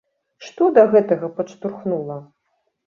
Што да гэтага падштурхнула?